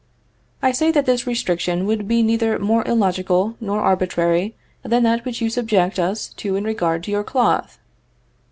I say that this restriction would be neither more illogical nor arbitrary than that which you subject us to in regard to your cloth.